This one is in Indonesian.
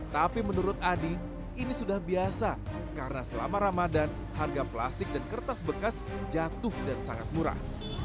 tapi menurut adi ini sudah biasa karena selama ramadan harga plastik dan kertas bekas jatuh dan sangat murah